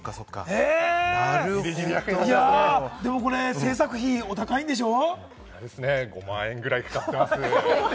でもこれ、制作費、お高いん５万円ぐらいかかってるんですよ。